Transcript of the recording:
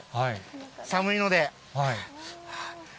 寒いので。